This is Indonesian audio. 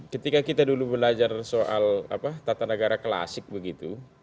ketika kita dulu belajar soal tata negara klasik begitu